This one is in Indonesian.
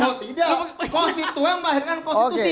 kalau tidak konstituen melahirkan konstitusi